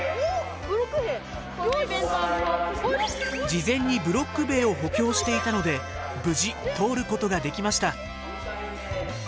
事前にブロック塀を補強していたので無事通ることができました。